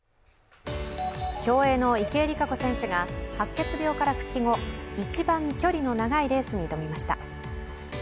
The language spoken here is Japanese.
競泳の池江璃花子選手が白血病から復帰後、一番距離の長いレースに挑みました。